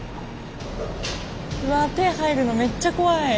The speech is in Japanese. うわ手入るのめっちゃ怖い。